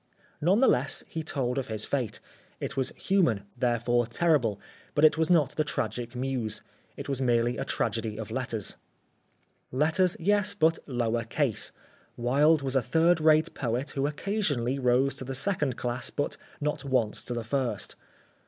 None the less he told of his fate. It was human, therefore terrible, but it was not the tragic muse. It was merely a tragedy of letters. Letters, yes, but lower case. Wilde was a third rate poet who occasionally rose to the second class but not once to the first.